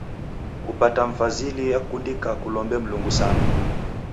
Kupata mfazili yakundika kulombe Mlungu sana.